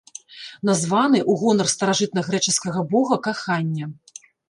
Названы ў гонар старажытнагрэчаскага бога кахання.